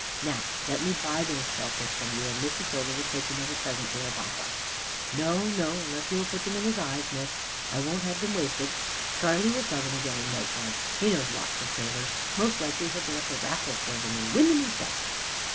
Now let me buy those shellfish from you, and Miss Isola will take them as a present to her papa." "No, no, unless he will put them in his eyes, Miss. I won't have them wasted. Charley will sell them again in no time. He knows lots of sailors. Most likely he'll get up a raffle for them, and win them himself."